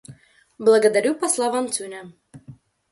Благодарю посла Ван Цюня.